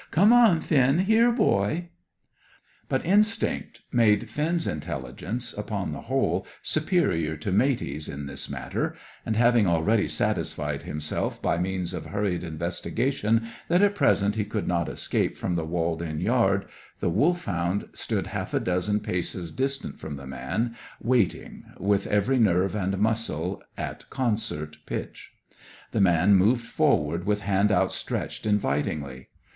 Come on, Finn! Here, boy!" But instinct made Finn's intelligence upon the whole superior to Matey's in this matter, and, having already satisfied himself by means of hurried investigation that at present he could not escape from the walled in yard, the Wolfhound stood half a dozen paces distant from the man, waiting, with every nerve and muscle at concert pitch. The man moved forward, with hand outstretched invitingly.